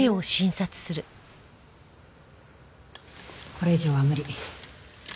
これ以上は無理。